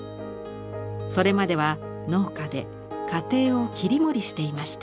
それまでは農家で家庭を切り盛りしていました。